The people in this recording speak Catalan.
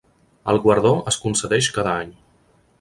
El guardó es concedeix cada any.